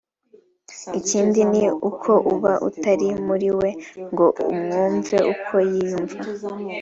Ikindi ni uko uba utari muri we ngo umwumve uko yiyumva